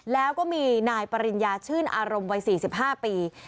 แล้วก็มีนายปริญญาชื่นอารมณ์วัย๔๕ปี